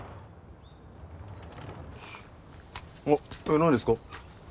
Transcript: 何ですか？